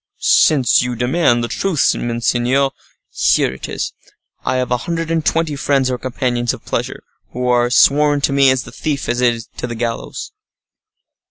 "Since you demand the truth, monseigneur, here it is:—I have a hundred and twenty friends or companions of pleasure, who are sworn to me as the thief is to the gallows."